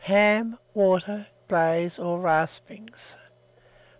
Ham, water, glaze or raspings.